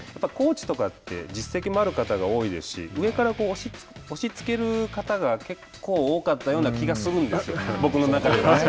コーチとかって実績もある方が多いですし上から押しつける方が結構多かったような気がするんですよ、僕の中では。